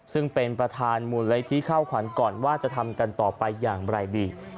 ซึ่งเป็นประธานมูลนิธิเข้าขวัญก่อนว่าจะทำกันต่อไปอย่างไรดี